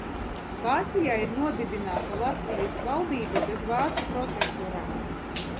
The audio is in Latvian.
Vācijā ir nodibināta Latvijas valdība bez vācu protektorāta.